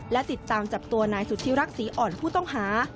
และติดตามจับตัวนายสุธิรักษีอ่อนผู้ต้องหา